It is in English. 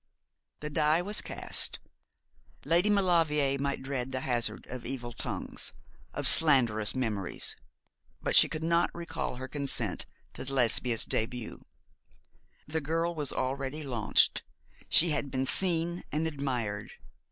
The die was cast. Lady Maulevrier might dread the hazard of evil tongues, of slanderous memories; but she could not recall her consent to Lesbia's début. The girl was already launched; she had been seen and admired.